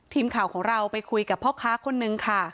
ทีมข่าวของเราไปคุยกับพ่อค้าคนนึงค่ะ